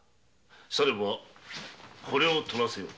さればこれを取らせよう。